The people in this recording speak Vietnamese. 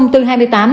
thông tư hai mươi tám